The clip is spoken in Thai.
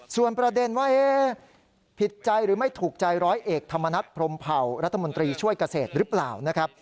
ส่วนประเด็นว่าผิดใจหรือไม่ถูกใจร้อยเอกธรรมนัฐพรมเผารัฐมนตรีช่วยเกษตรหรือเปล่านะครับ